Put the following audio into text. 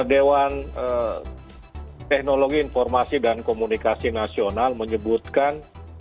dewan teknologi informasi dan komunikasi nasional menyebutkan